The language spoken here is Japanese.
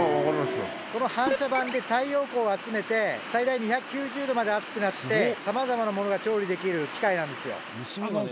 この反射板で太陽光を集めて最大２９０度まで熱くなってさまざまなものが調理できる機械なんですよ。